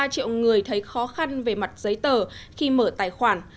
ba triệu người thấy khó khăn về mặt giấy tờ khi mở tài khoản